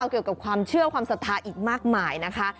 เกี่ยวกับความเชื่อความศรัทธาอีกมากมายนะคะ